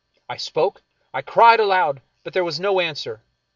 I spoke, I cried aloud, but there was no answer.